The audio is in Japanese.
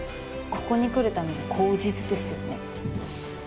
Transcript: ここに来るための口実ですよね？